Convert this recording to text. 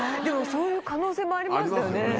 でもそういう可能性もありましたよね。